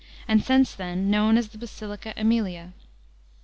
and since then known as the Basilica Emilia.